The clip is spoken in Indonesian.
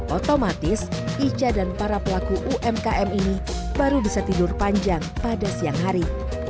otomatis ica dan para pelaku umkm ini baru bisa tidur panjang pada siang hari